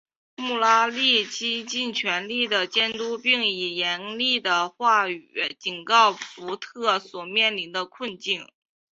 穆拉利竭尽全力地监督并以严厉的话语警示福特所面临的困境。